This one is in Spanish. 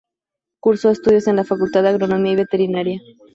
Cursó estudios en la Facultad de Agronomía y Veterinaria.